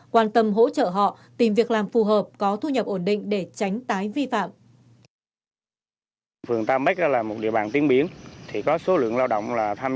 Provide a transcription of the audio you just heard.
quan tâm hỗ trợ họ tìm việc làm phù hợp có thu nhập ổn định để tránh tái vi phạm